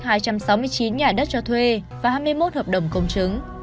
danh sách hai trăm sáu mươi chín nhà đất cho thuê và hai mươi một hợp đồng công chứng